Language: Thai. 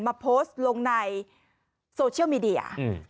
มาโพสต์ลงในโซเชียลมีเดีย